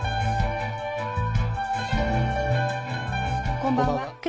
こんばんは。